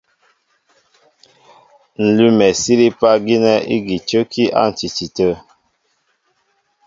Ǹ lʉ́mɛ sílípá gínɛ́ ígi í cə́kí á ǹtiti tə̂.